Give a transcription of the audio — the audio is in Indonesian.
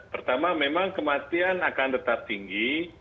pertama memang kematian akan tetap tinggi